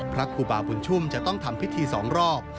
พระครูบาบุญชุ่มจะต้องทำพิธี๒รอบ